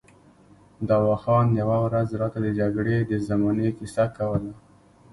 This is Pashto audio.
دوا خان یوه ورځ راته د جګړې د زمانې کیسه کوله.